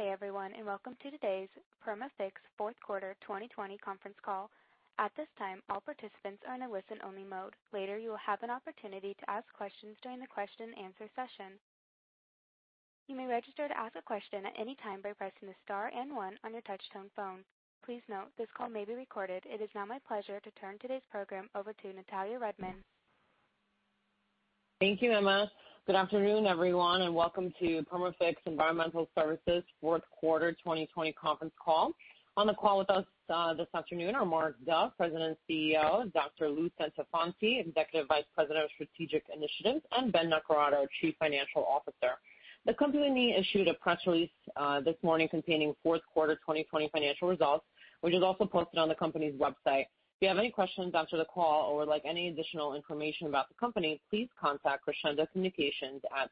Good day, everyone, and welcome to today's Perma-Fix fourth quarter 2020 conference call. At this time, all participants are in a listen only mode. Later, you will have an opportunity to ask questions. During the question and answer session, you may register to ask a question at any time by pressing the star and one on your touch-tone phone. Please note this call may be recorded. It is now my pleasure to turn today's program over to Natalya Rudman. Thank you, Emma. Good afternoon, everyone, and welcome to Perma-Fix Environmental Services fourth quarter 2020 conference call. On the call with us this afternoon are Mark Duff, President and CEO, Dr. Lou Centofanti, Executive Vice President of Strategic Initiatives, and Ben Naccarato, our Chief Financial Officer. The company and me issued a press release this morning containing fourth quarter 2020 financial results, which is also posted on the company's website. If you have any questions after the call or would like any additional information about the company, please contact Crescendo Communications at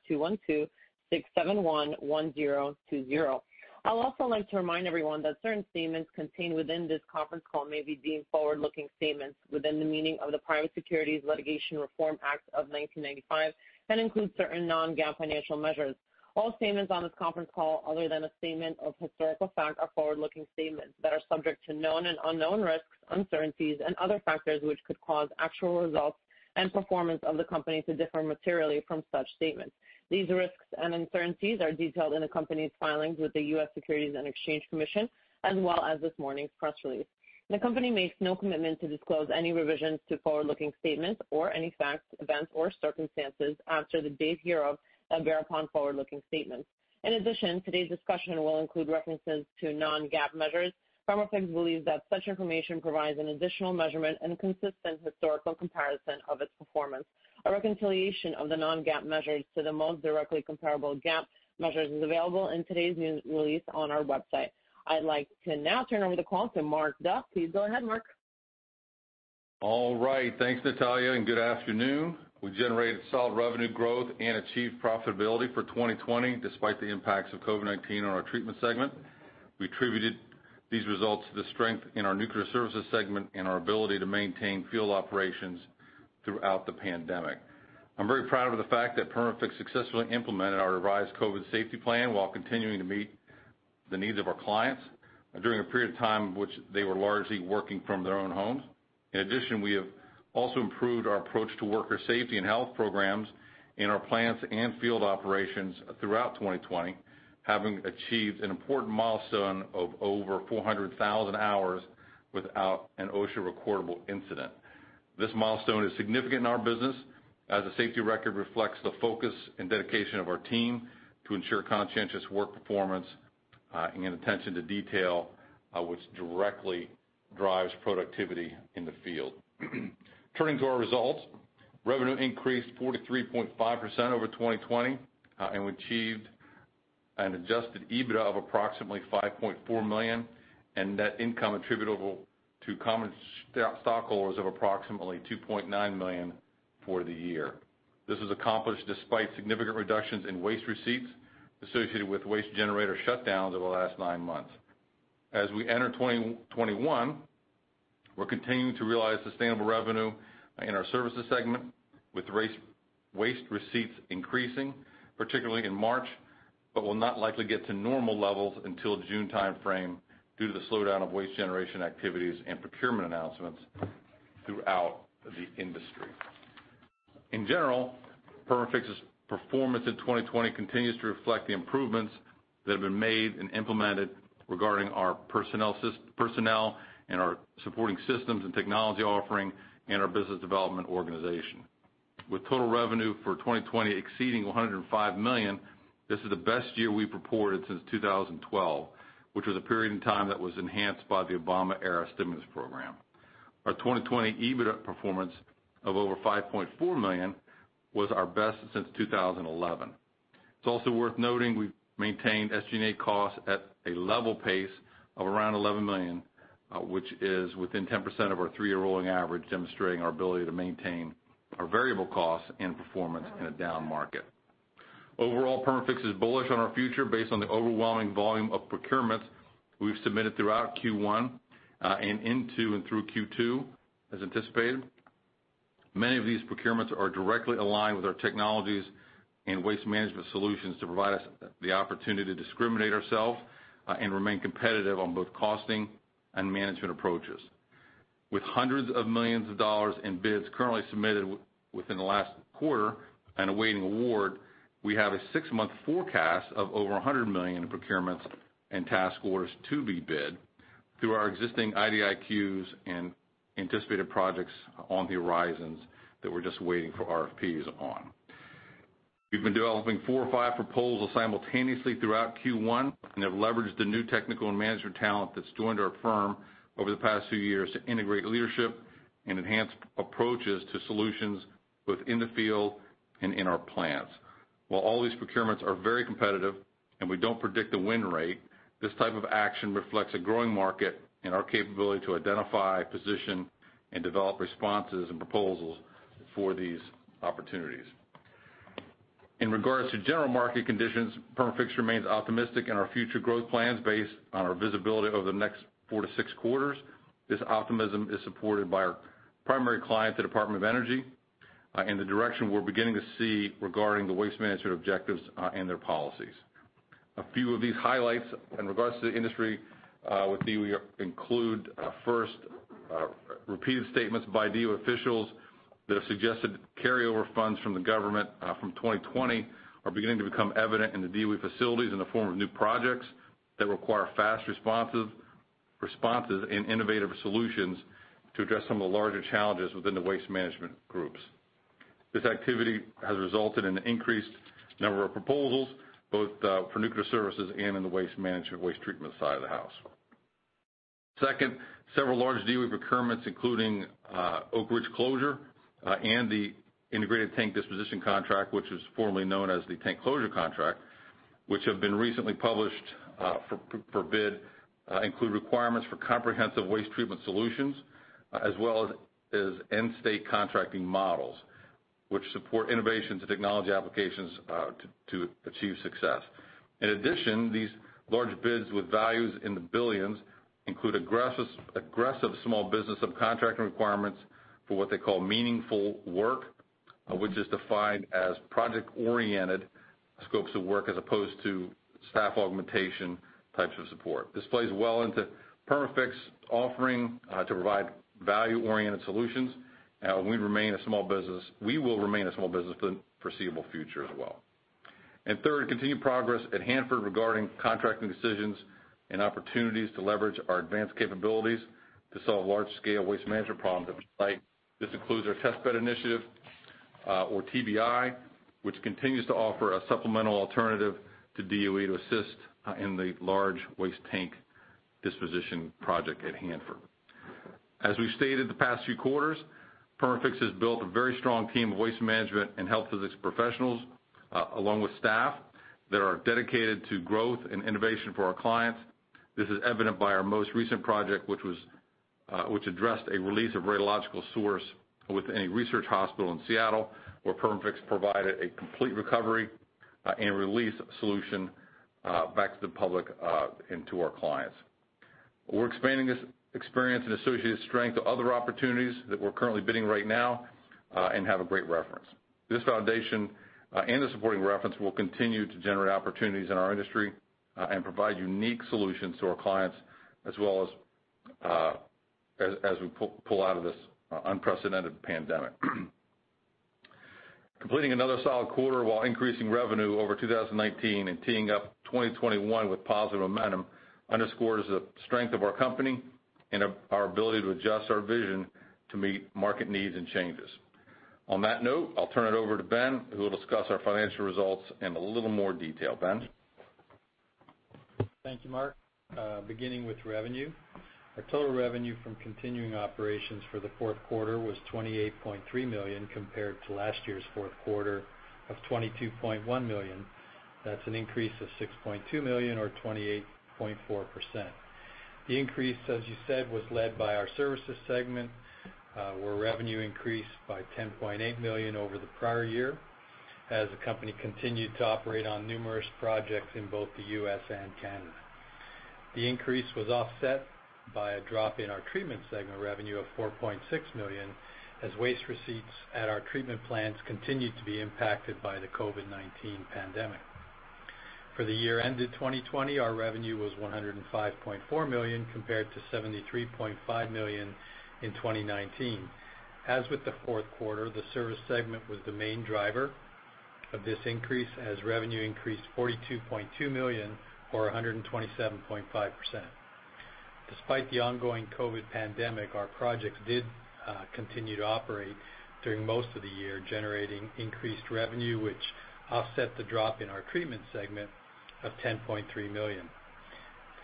212-671-1020. I'll also like to remind everyone that certain statements contained within this conference call may be deemed forward-looking statements within the meaning of the Private Securities Litigation Reform Act of 1995, and include certain non-GAAP financial measures. All statements on this conference call, other than a statement of historical fact, are forward-looking statements that are subject to known and unknown risks, uncertainties and other factors which could cause actual results and performance of the company to differ materially from such statements. These risks and uncertainties are detailed in the company's filings with the U.S. Securities and Exchange Commission, as well as this morning's press release. The company makes no commitment to disclose any revisions to forward-looking statements or any facts, events, or circumstances after the date hereof that bear upon forward-looking statements. In addition, today's discussion will include references to non-GAAP measures. Perma-Fix believes that such information provides an additional measurement and consistent historical comparison of its performance. A reconciliation of the non-GAAP measures to the most directly comparable GAAP measures is available in today's news release on our website. I'd like to now turn over the call to Mark Duff. Please go ahead, Mark. All right. Thanks, Natalya. Good afternoon. We generated solid revenue growth and achieved profitability for 2020, despite the impacts of COVID-19 on our treatment segment. We attributed these results to the strength in our nuclear services segment and our ability to maintain field operations throughout the pandemic. I'm very proud of the fact that Perma-Fix successfully implemented our revised COVID safety plan while continuing to meet the needs of our clients during a period of time which they were largely working from their own homes. In addition, we have also improved our approach to worker safety and health programs in our plants and field operations throughout 2020, having achieved an important milestone of over 400,000 hours without an OSHA recordable incident. This milestone is significant in our business, as the safety record reflects the focus and dedication of our team to ensure conscientious work performance and attention to detail, which directly drives productivity in the field. Turning to our results, revenue increased 43.5% over 2020. We achieved an adjusted EBITDA of approximately $5.4 million, and net income attributable to common stockholders of approximately $2.9 million for the year. This was accomplished despite significant reductions in waste receipts associated with waste generator shutdowns over the last nine months. As we enter 2021, we're continuing to realize sustainable revenue in our services segment, with waste receipts increasing, particularly in March, but will not likely get to normal levels until June timeframe due to the slowdown of waste generation activities and procurement announcements throughout the industry. In general, Perma-Fix's performance in 2020 continues to reflect the improvements that have been made and implemented regarding our personnel and our supporting systems and technology offering and our business development organization. With total revenue for 2020 exceeding $105 million, this is the best year we've reported since 2012, which was a period in time that was enhanced by the Obama-era stimulus program. Our 2020 EBITDA performance of over $5.4 million was our best since 2011. It's also worth noting we've maintained SG&A costs at a level pace of around $11 million, which is within 10% of our three-year rolling average, demonstrating our ability to maintain our variable costs and performance in a down market. Overall, Perma-Fix is bullish on our future based on the overwhelming volume of procurements we've submitted throughout Q1 and into and through Q2 as anticipated. Many of these procurements are directly aligned with our technologies and waste management solutions to provide us the opportunity to discriminate ourselves and remain competitive on both costing and management approaches. With hundreds of millions in bids currently submitted within the last quarter and awaiting award, we have a six-month forecast of over $100 million in procurements and task orders to be bid through our existing IDIQ and anticipated projects on the horizons that we're just waiting for RFP on. We've been developing four or five proposals simultaneously throughout Q1 and have leveraged the new technical and management talent that's joined our firm over the past few years to integrate leadership and enhance approaches to solutions both in the field and in our plants. While all these procurements are very competitive and we don't predict the win rate, this type of action reflects a growing market and our capability to identify, position, and develop responses and proposals for these opportunities. In regards to general market conditions, Perma-Fix remains optimistic in our future growth plans based on our visibility over the next four to six quarters. This optimism is supported by our primary client, the Department of Energy in the direction we're beginning to see regarding the waste management objectives and their policies. A few of these highlights in regards to the industry with DOE include, first, repeated statements by DOE officials that have suggested carryover funds from the government from 2020 are beginning to become evident in the DOE facilities in the form of new projects that require fast responses and innovative solutions to address some of the larger challenges within the waste management groups. This activity has resulted in an increased number of proposals, both for nuclear services and in the waste management, waste treatment side of the house. Second, several large DOE procurements, including Oak Ridge closure and the Integrated Tank Disposition Contract, which was formerly known as the Tank Closure Contract, which have been recently published for bid, include requirements for comprehensive waste treatment solutions, as well as in-state contracting models, which support innovations and technology applications, to achieve success. In addition, these large bids with values in the billions include aggressive small business subcontracting requirements for what they call meaningful work, which is defined as project-oriented scopes of work as opposed to staff augmentation types of support. This plays well into Perma-Fix's offering to provide value-oriented solutions. We will remain a small business for the foreseeable future as well. Third, continued progress at Hanford regarding contracting decisions and opportunities to leverage our advanced capabilities to solve large-scale waste management problems offsite. This includes our Test Bed Initiative, or TBI, which continues to offer a supplemental alternative to DOE to assist in the large waste tank disposition project at Hanford. As we've stated the past few quarters, Perma-Fix has built a very strong team of waste management and health physics professionals, along with staff that are dedicated to growth and innovation for our clients. This is evident by our most recent project, which addressed a release of radiological source within a research hospital in Seattle, where Perma-Fix provided a complete recovery and release solution back to the public and to our clients. We're expanding this experience and associated strength to other opportunities that we're currently bidding right now, have a great reference. This foundation and the supporting reference will continue to generate opportunities in our industry, and provide unique solutions to our clients, as we pull out of this unprecedented pandemic. Completing another solid quarter while increasing revenue over 2019 and teeing up 2021 with positive momentum underscores the strength of our company and our ability to adjust our vision to meet market needs and changes. On that note, I'll turn it over to Ben, who will discuss our financial results in a little more detail. Ben? Thank you, Mark. Beginning with revenue, our total revenue from continuing operations for the fourth quarter was $28.3 million, compared to last year's fourth quarter of $22.1 million. That's an increase of $6.2 million or 28.4%. The increase, as you said, was led by our services segment, where revenue increased by $10.8 million over the prior year, as the company continued to operate on numerous projects in both the U.S. and Canada. The increase was offset by a drop in our treatment segment revenue of $4.6 million, as waste receipts at our treatment plants continued to be impacted by the COVID-19 pandemic. For the year ended 2020, our revenue was $105.4 million, compared to $73.5 million in 2019. As with the fourth quarter, the service segment was the main driver of this increase, as revenue increased $42.2 million or 127.5%. Despite the ongoing COVID-19 pandemic, our projects did continue to operate during most of the year, generating increased revenue, which offset the drop in our treatment segment of $10.3 million.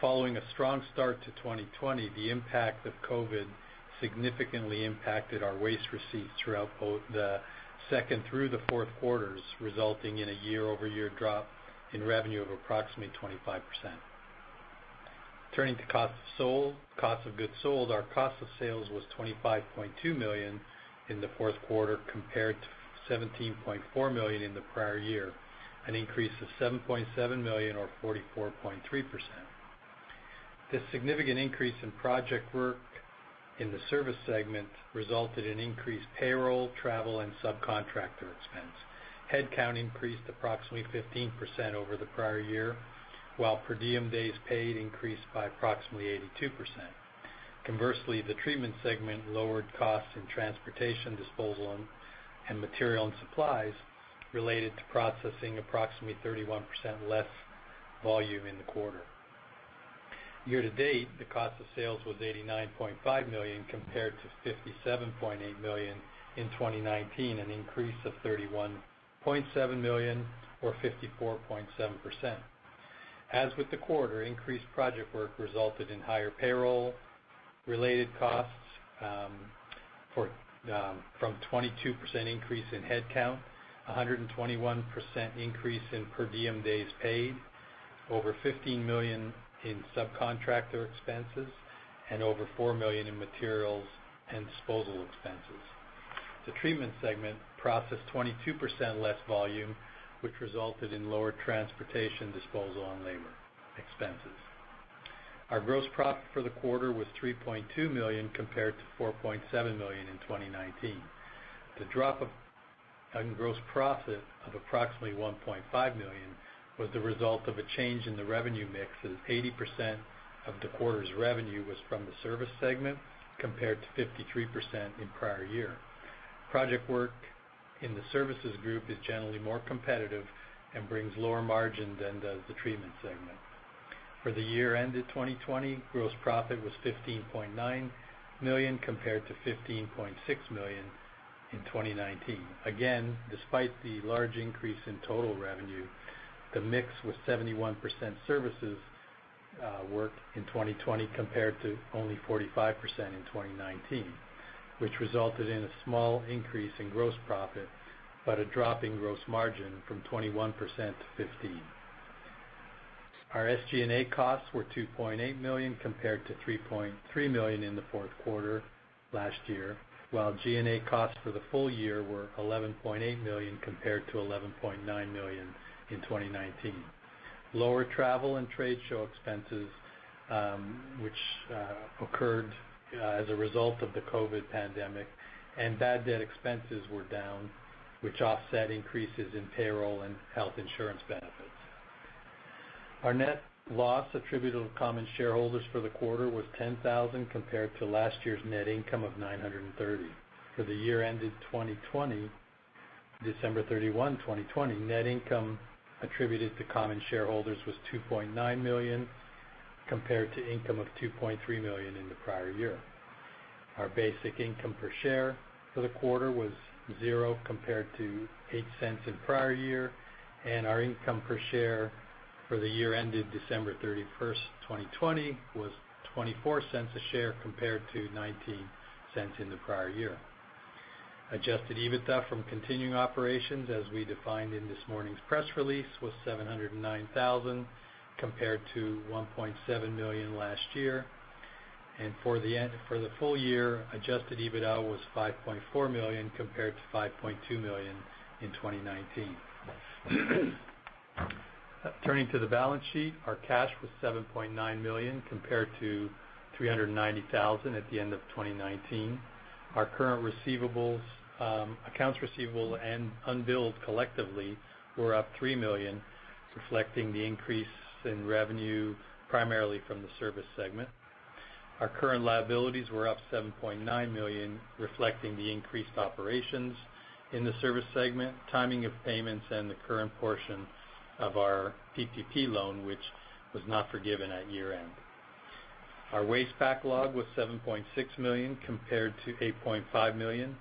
Following a strong start to 2020, the impact of COVID-19 significantly impacted our waste receipts throughout both the second through the fourth quarters, resulting in a year-over-year drop in revenue of approximately 25%. Turning to cost of goods sold, our cost of sales was $25.2 million in the fourth quarter, compared to $17.4 million in the prior year, an increase of $7.7 million or 44.3%. This significant increase in project work in the service segment resulted in increased payroll, travel, and subcontractor expense. Headcount increased approximately 15% over the prior year, while per diem days paid increased by approximately 82%. Conversely, the treatment segment lowered costs in transportation, disposal, and material and supplies related to processing approximately 31% less volume in the quarter. Year to date, the cost of sales was $89.5 million compared to $57.8 million in 2019, an increase of $31.7 million or 54.7%. As with the quarter, increased project work resulted in higher payroll related costs from a 22% increase in headcount, 121% increase in per diem days paid, over $15 million in subcontractor expenses, and over $4 million in materials and disposal expenses. The treatment segment processed 22% less volume, which resulted in lower transportation, disposal, and labor expenses. Our gross profit for the quarter was $3.2 million compared to $4.7 million in 2019. The drop in gross profit of approximately $1.5 million was the result of a change in the revenue mix, as 80% of the quarter's revenue was from the service segment, compared to 53% in prior year. Project work in the services group is generally more competitive and brings lower margin than does the treatment segment. For the year ended 2020, gross profit was $15.9 million compared to $15.6 million in 2019. Despite the large increase in total revenue, the mix was 71% services work in 2020 compared to only 45% in 2019, which resulted in a small increase in gross profit, but a drop in gross margin from 21% to 15%. Our SG&A costs were $2.8 million compared to $3.3 million in the fourth quarter last year, while G&A costs for the full year were $11.8 million compared to $11.9 million in 2019. Lower travel and trade show expenses, which occurred as a result of the COVID-19 pandemic, and bad debt expenses were down, which offset increases in payroll and health insurance benefits. Our net loss attributable to common shareholders for the quarter was $10,000 compared to last year's net income of $930. For the year ended December 31, 2020, net income attributed to common shareholders was $2.9 million compared to income of $2.3 million in the prior year. Our basic income per share for the quarter was $0.00 compared to $0.08 in prior year, and our income per share for the year ended December 31st, 2020, was $0.24 a share compared to $0.19 in the prior year. Adjusted EBITDA from continuing operations, as we defined in this morning's press release, was $709,000 compared to $1.7 million last year. For the full year, adjusted EBITDA was $5.4 million compared to $5.2 million in 2019. Turning to the balance sheet, our cash was $7.9 million compared to $390,000 at the end of 2019. Our current accounts receivable and unbilled collectively were up $3 million, reflecting the increase in revenue primarily from the service segment. Our current liabilities were up $7.9 million, reflecting the increased operations in the service segment, timing of payments, and the current portion of our PPP loan, which was not forgiven at year-end. Our waste backlog was $7.6 million compared to $8.5 million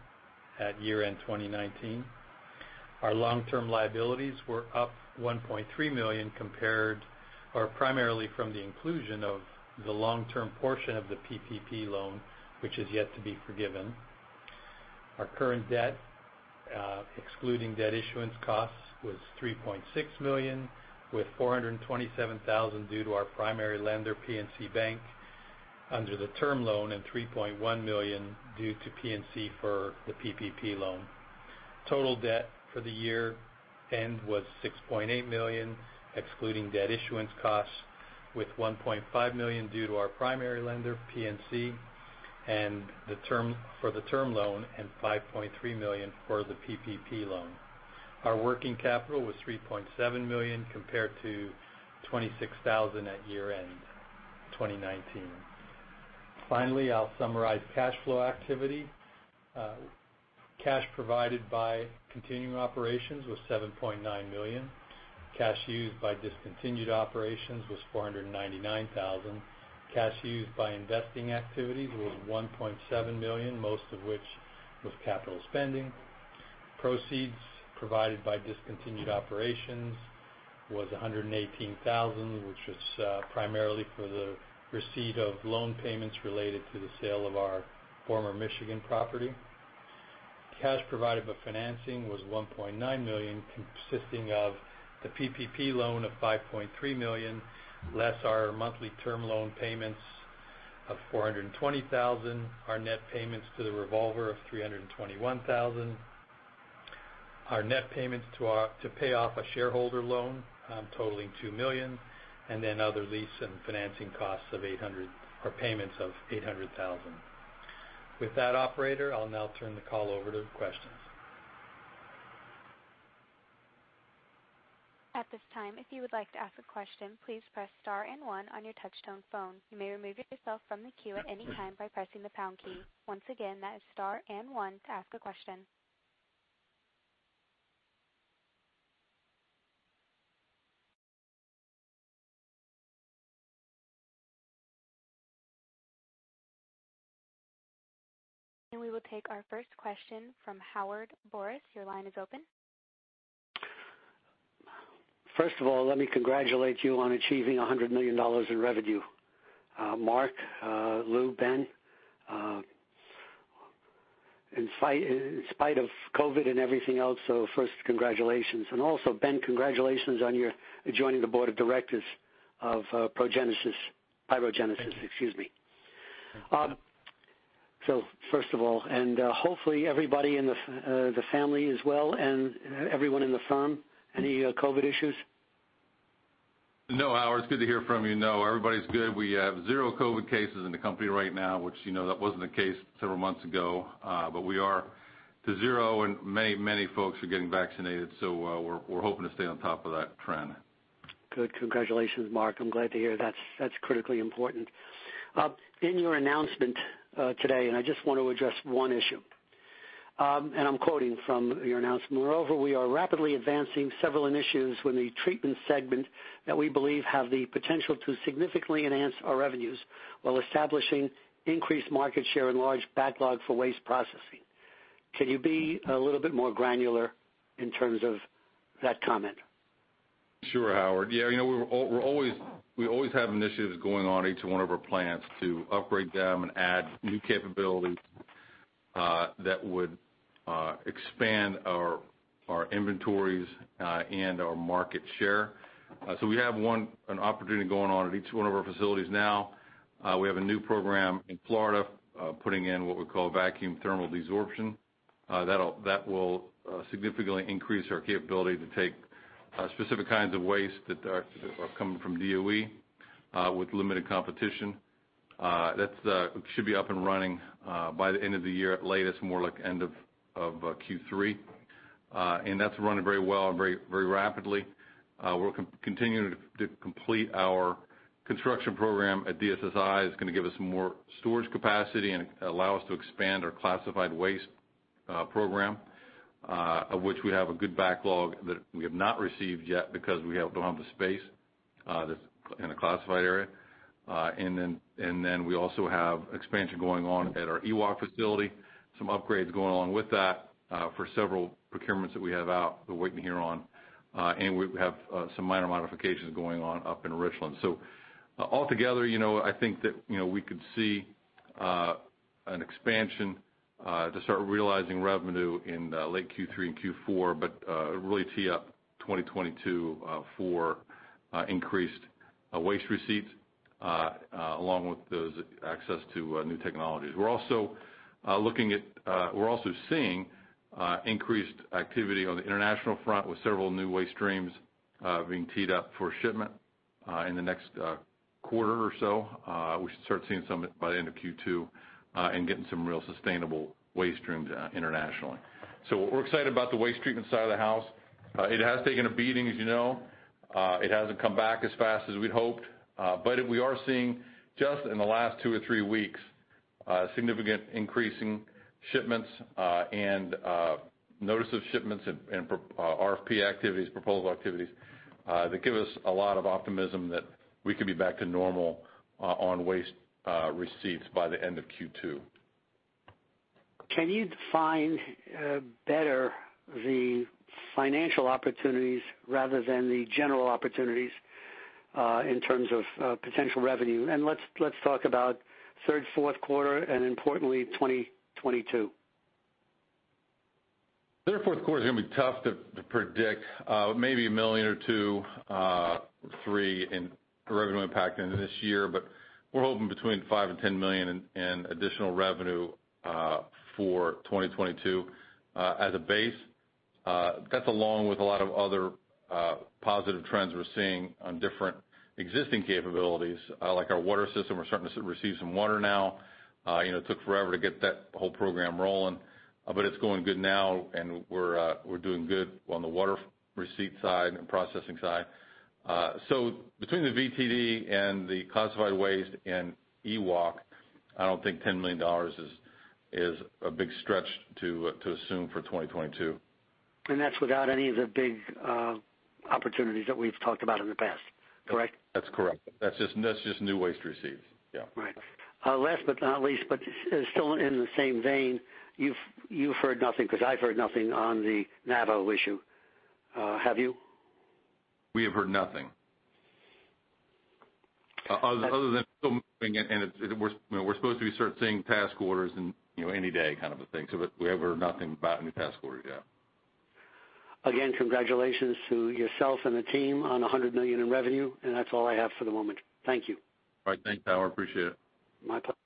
at year-end 2019. Our long-term liabilities were up $1.3 million primarily from the inclusion of the long-term portion of the PPP loan, which is yet to be forgiven. Our current debt, excluding debt issuance costs, was $3.6 million, with $427,000 due to our primary lender, PNC Bank, under the term loan and $3.1 million due to PNC for the PPP loan. Total debt for the year-end was $6.8 million, excluding debt issuance costs with $1.5 million due to our primary lender, PNC, for the term loan and $5.3 million for the PPP loan. Our working capital was $3.7 million compared to $26,000 at year-end 2019. Finally, I'll summarize cash flow activity. Cash provided by continuing operations was $7.9 million. Cash used by discontinued operations was $499,000. Cash used by investing activities was $1.7 million, most of which was capital spending. Proceeds provided by discontinued operations was $118,000, which was primarily for the receipt of loan payments related to the sale of our former Michigan property. Cash provided by financing was $1.9 million, consisting of the PPP loan of $5.3 million, less our monthly term loan payments of $420,000, our net payments to the revolver of $321,000, our net payments to pay off a shareholder loan totaling $2 million, Other lease and financing payments of $800,000. With that, operator, I'll now turn the call over to questions. At this time, if you would like to ask a question, please press star and one on your touch-tone phone. You may remove yourself from the queue at any time by pressing the pound key. Once again, that is star and one to ask a question. We will take our first question from Howard Brous. Your line is open. Let me congratulate you on achieving $100 million in revenue, Mark, Lou, Ben, in spite of COVID and everything else. First, congratulations. Also, Ben, congratulations on your joining the board of directors of PyroGenesis. Hopefully everybody in the family is well, and everyone in the firm. Any COVID issues? No, Howard, it's good to hear from you. No, everybody's good. We have zero COVID cases in the company right now, which you know, that wasn't the case several months ago. We are to zero. Many folks are getting vaccinated. We're hoping to stay on top of that trend. Good. Congratulations, Mark. I'm glad to hear that. That's critically important. In your announcement today, and I just want to address one issue. I'm quoting from your announcement, "Moreover, we are rapidly advancing several initiatives within the treatment segment that we believe have the potential to significantly enhance our revenues while establishing increased market share and large backlog for waste processing." Can you be a little bit more granular in terms of that comment? Sure, Howard. Yeah, we always have initiatives going on in each one of our plants to upgrade them and add new capabilities that would expand our inventories and our market share. We have an opportunity going on at each one of our facilities now. We have a new program in Florida, putting in what we call vacuum thermal desorption. That will significantly increase our capability to take specific kinds of waste that are coming from DOE with limited competition. That should be up and running by the end of the year at latest, more like end of Q3. That's running very well and very rapidly. We're continuing to complete our construction program at DSSI. It's going to give us more storage capacity and allow us to expand our classified waste program, of which we have a good backlog that we have not received yet because we don't have the space that's in the classified area. We also have expansion going on at our EWOC facility, some upgrades going on with that for several procurements that we have out, we're waiting to hear on. We have some minor modifications going on up in Richland. Altogether, I think that we could see an expansion to start realizing revenue in late Q3 and Q4, but really tee up 2022 for increased waste receipts along with those access to new technologies. We're also seeing increased activity on the international front with several new waste streams being teed up for shipment in the next quarter or so. We should start seeing some by the end of Q2 and getting some real sustainable waste streams internationally. We're excited about the waste treatment side of the house. It has taken a beating, as you know. It hasn't come back as fast as we'd hoped. We are seeing, just in the last two or three weeks, significant increasing shipments and notice of shipments and RFP activities, proposal activities that give us a lot of optimism that we could be back to normal on waste receipts by the end of Q2. Can you define better the financial opportunities rather than the general opportunities in terms of potential revenue? Let's talk about third, fourth quarter, and importantly, 2022. Third or fourth quarter is going to be tough to predict. Maybe $1 million or $2 million, $3 million in revenue impact into this year. We're hoping between $5 million and $10 million in additional revenue for 2022 as a base. That's along with a lot of other positive trends we're seeing on different existing capabilities, like our water system. We're starting to receive some water now. It took forever to get that whole program rolling, but it's going good now, and we're doing good on the water receipt side and processing side. Between the VTD and the classified waste and EWOC, I don't think $10 million is a big stretch to assume for 2022. That's without any of the big opportunities that we've talked about in the past, correct? That's correct. That's just new waste receipts. Yeah. Right. Last but not least, but still in the same vein, you've heard nothing, because I've heard nothing on the [Navajo] issue. Have you? We have heard nothing. Other than still moving, and we're supposed to be start seeing task orders any day kind of a thing. We have heard nothing about any task orders yet. Again, congratulations to yourself and the team on $100 million in revenue, and that's all I have for the moment. Thank you. All right. Thanks, Howard, appreciate it. My pleasure.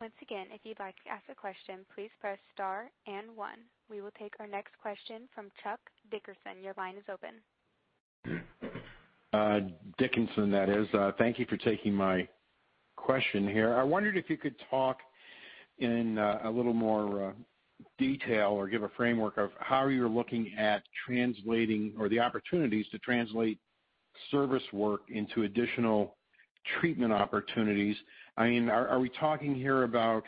Once again, if you'd like to ask a question, please press star and one. We will take our next question from Chuck Dickinson. Your line is open. Dickinson, that is. Thank you for taking my question here. I wondered if you could talk in a little more detail or give a framework of how you're looking at translating or the opportunities to translate service work into additional treatment opportunities. Are we talking here about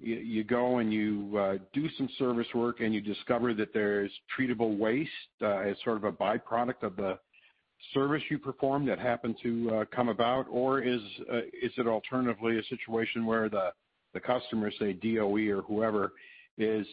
you go and you do some service work and you discover that there's treatable waste as sort of a by-product of the service you perform that happened to come about? Is it alternatively a situation where the customers say, DOE or whoever is,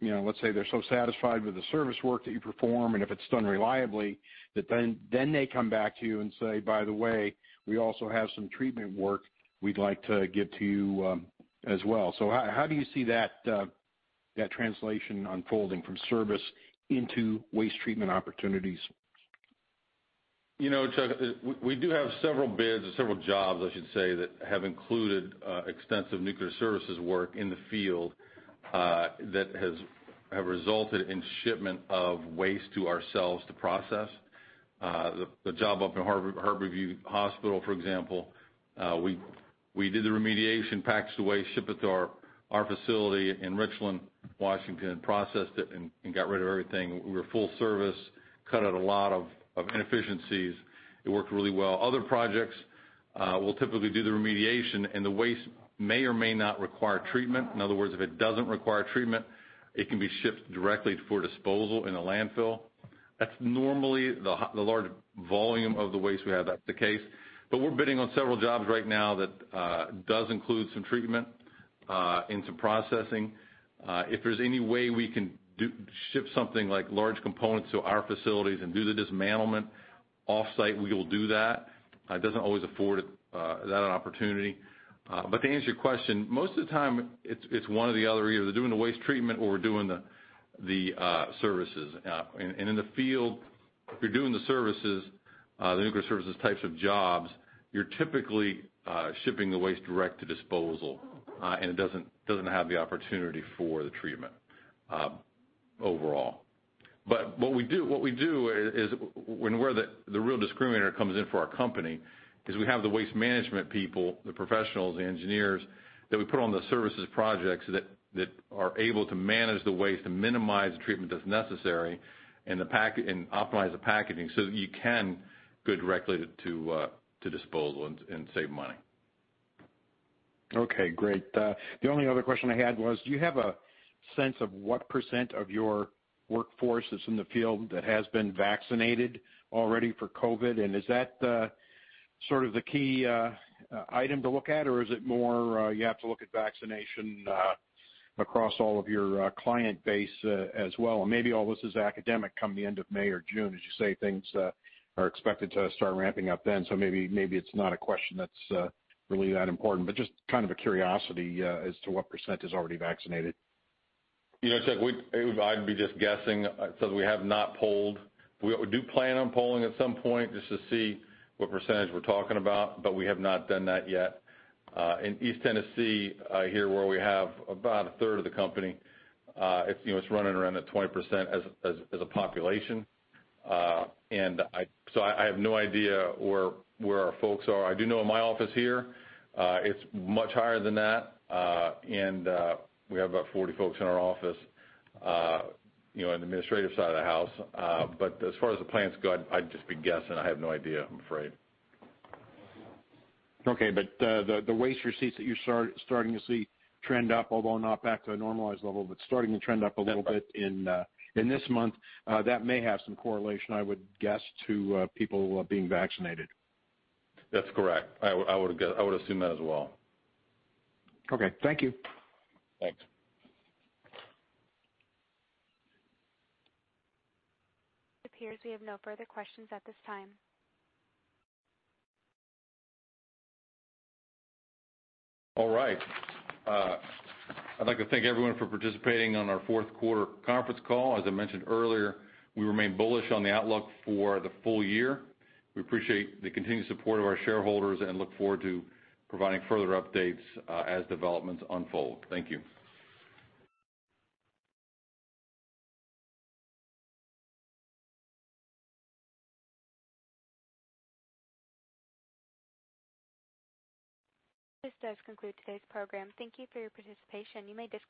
let's say they're so satisfied with the service work that you perform, and if it's done reliably, that then they come back to you and say, "By the way, we also have some treatment work we'd like to give to you as well." How do you see that translation unfolding from service into waste treatment opportunities? Chuck, we do have several bids, or several jobs I should say, that have included extensive nuclear services work in the field, that have resulted in shipment of waste to ourselves to process. The job up in Harborview hospital, for example, we did the remediation, packaged the waste, shipped it to our facility in Richland, Washington, processed it and got rid of everything. We were full service, cut out a lot of inefficiencies. It worked really well. Other projects, we'll typically do the remediation and the waste may or may not require treatment. In other words, if it doesn't require treatment, it can be shipped directly for disposal in a landfill. That's normally the large volume of the waste we have, that's the case. We're bidding on several jobs right now that does include some treatment and some processing. If there's any way we can ship something like large components to our facilities and do the dismantlement offsite, we will do that. It doesn't always afford that opportunity. To answer your question, most of the time it's one or the other. We're either doing the waste treatment or we're doing the services. In the field, if you're doing the services, the nuclear services types of jobs, you're typically shipping the waste direct to disposal, and it doesn't have the opportunity for the treatment overall. What we do is, where the real discriminator comes in for our company, is we have the waste management people, the professionals, the engineers, that we put on the services projects that are able to manage the waste and minimize the treatment that's necessary and optimize the packaging so that you can go directly to disposal and save money. Okay, great. The only other question I had was, do you have a sense of what percent of your workforce that's in the field that has been vaccinated already for COVID-19? Is that the key item to look at, or is it more you have to look at vaccination across all of your client base as well? Maybe all this is academic come the end of May or June, as you say things are expected to start ramping up then. Maybe it's not a question that's really that important, but just kind of a curiosity as to what percentage is already vaccinated. Chuck, I'd be just guessing, since we have not polled. We do plan on polling at some point just to see what percentage we're talking about, but we have not done that yet. In East Tennessee here, where we have about a third of the company, it's running around at 20% as a population. I have no idea where our folks are. I do know in my office here, it's much higher than that, and we have about 40 folks in our office, in the administrative side of the house. As far as the plants go, I'd just be guessing. I have no idea, I'm afraid. Okay. The waste receipts that you're starting to see trend up, although not back to a normalized level, but starting to trend up a little bit in this month, that may have some correlation, I would guess, to people being vaccinated. That's correct. I would assume that as well. Okay. Thank you. Thanks. It appears we have no further questions at this time. All right. I'd like to thank everyone for participating on our fourth quarter conference call. As I mentioned earlier, we remain bullish on the outlook for the full year. We appreciate the continued support of our shareholders and look forward to providing further updates as developments unfold. Thank you. This does conclude today's program. Thank you for your participation. You may disconnect.